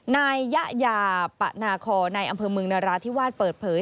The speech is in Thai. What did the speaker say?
นายยะยาปะนาคอในอำเภอเมืองนราธิวาสเปิดเผย